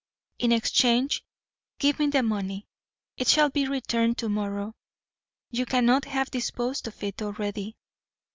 In exchange, give me the money; it shall be returned to morrow. You cannot have disposed of it already.